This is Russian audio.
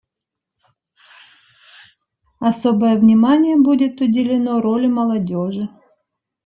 Особое внимание будет уделено роли молодежи.